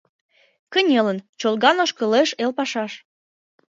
Кынелын, чолган ошкылеш эл пашаш